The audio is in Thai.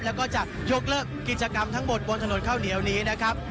แล้วก็จะยกเลิกกิจกรรมทั้งหมดบนถนนข้าวเหนียวนี้นะครับ